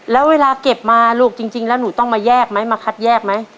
แล้วเวลาเก็บมาลูกจริงแล้วหนูต้องมาแยกไหมมาคัดแยกไหม